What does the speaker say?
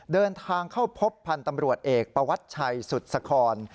เดินทางเข้าพบพันธ์ตำรวจเอกประวัชชัยสุดสคร